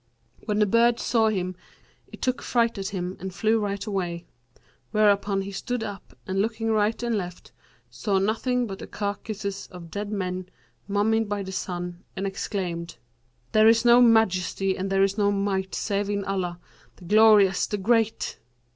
When the bird saw him, it took fright at him and flew right away; whereupon he stood up and looking right and left, saw nothing but the carcasses of dead men, mummied by the sun, and exclaimed, 'There is no Majesty and there is no Might save in Allah, the Glorious, the Great!'